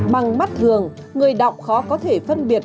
bằng mắt thường người đọc khó có thể phân biệt